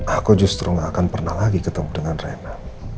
aku justru gak akan pernah lagi ketemu dengan rena